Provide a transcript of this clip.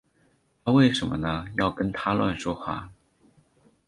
妳为什呢要跟他乱说话